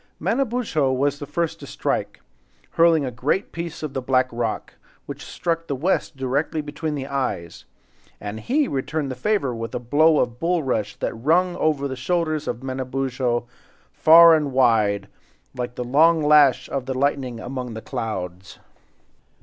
Manabozho was the first to strike—hurling a great piece of the black rock, which struck the West directly between the eyes, and he returned the favor with a blow of bulrush that rung over the shoulders of Manabozho, far and wide, like the long lash of the lightning among the clouds.